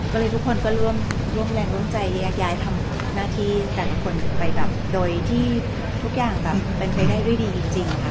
ก็เลยทุกคนก็ร่วมแรงร่วมใจแยกย้ายทำหน้าที่แต่ละคนไปแบบโดยที่ทุกอย่างแบบเป็นไปได้ด้วยดีจริงค่ะ